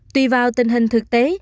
tuy vào tình hình thực tế